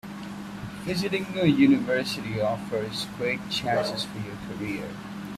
Visiting a university offers great chances for your career.